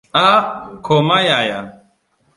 Ah, koma yaya.